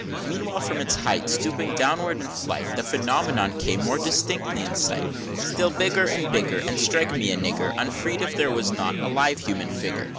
XV. Meanwhile, from its height Stooping downward in flight, The Phenomenon came more distinctly in sight: Still bigger and bigger, And strike me a nigger Unfreed, if there was not a live human figure!